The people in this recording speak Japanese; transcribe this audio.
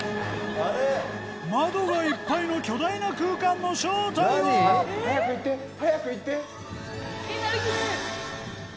窓がいっぱいの巨大な空間の正体は早く言って早く言って。